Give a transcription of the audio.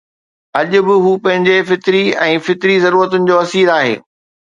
اڄ به هو پنهنجي فطري ۽ فطري ضرورتن جو اسير آهي.